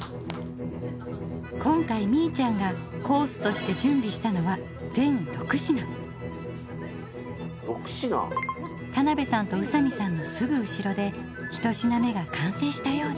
今回みいちゃんがコースとして準備したのは田辺さんと宇佐美さんのすぐ後ろで１品目が完成したようです。